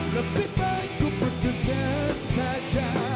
lebih baik ku putuskan saja